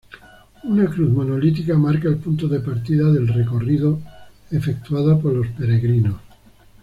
Una cruz monolítica marca el punto de partida del recorrido efectuado por los peregrinos.